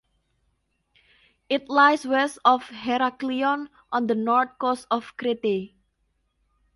It lies west of Heraklion, on the north coast of Crete.